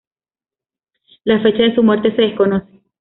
La fecha de su muerte se desconoce.